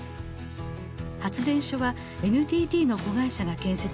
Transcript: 発電所はＮＴＴの子会社が建設しました。